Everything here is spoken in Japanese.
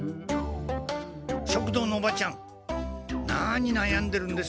食堂のおばちゃん何なやんでるんですか？